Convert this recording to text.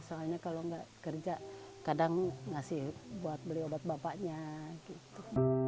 soalnya kalau nggak kerja kadang ngasih buat beli obat bapaknya gitu